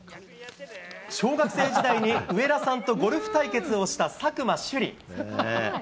小学生時代に、上田さんとゴルフ対決をした佐久間朱莉。